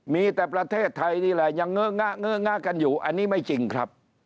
มีแต่ประเทศไทยนี่แหละยังเงอะงะเงอะงะกันอยู่อันนี้ไม่จริงครับ